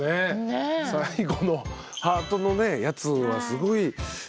最後のハートのねやつはすごいいいですね。